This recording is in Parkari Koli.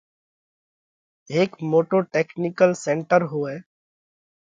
هيڪ موٽو ٽيڪنِيڪل سينٽر هوئہ۔